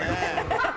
ハハハ！